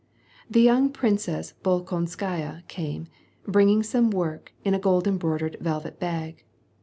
The young Princess Bolkonskaya came, bringing some work a a gold embroidered velvet bag.